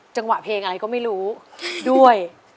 จังหวะเพลงอะไรก็ไม่รู้ด้วย